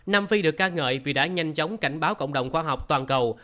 nam phi được ca ngợi vì đã nhanh chóng cảnh báo cộng đồng khoa học toàn cầu